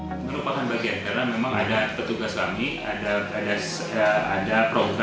ini merupakan bagian karena memang ada petugas kami ada program